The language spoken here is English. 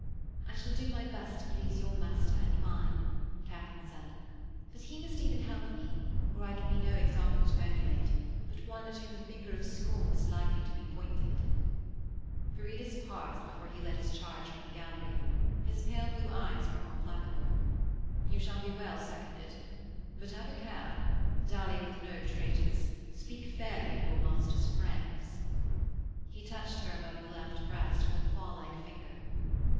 'I shall do my best to please your master and mine,' Katharine said. 'But he must even help me, or I can be no example to emulate, but one at whom the finger of scorn is likely to be pointed.' Viridus paused before he led his charge from the gallery. His pale blue eyes were more placable. 'You shall be well seconded. But have a care. Dally with no traitors. Speak fairly of your master's friends.' He touched her above the left breast with a claw like finger.